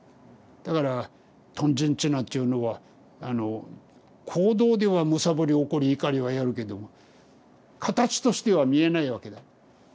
だから「貪瞋痴」なんていうのは行動ではむさぼりおこりいかりはやるけども形としては見えないわけだ。